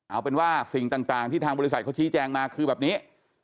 เอาเป็นว่าสิ่งต่างที่ทางบริษัทเขาชี้แจงมาคือแบบนี้